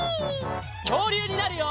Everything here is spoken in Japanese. きょうりゅうになるよ！